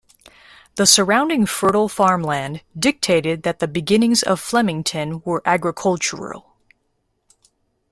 The surrounding fertile farmland dictated that the beginnings of Flemington were agricultural.